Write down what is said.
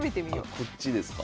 あらこっちですか。